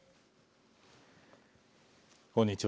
こんにちは。